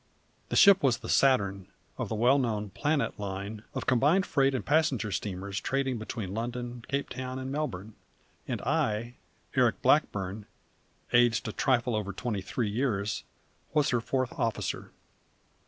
The ship was the Saturn, of the well known Planet Line of combined freight and passenger steamers trading between London, Cape Town, and Melbourne; and I Eric Blackburn, aged a trifle over twenty three years was her fourth officer.